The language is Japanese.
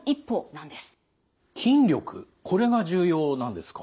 これが重要なんですか？